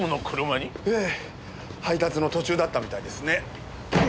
ええ配達の途中だったみたいですね。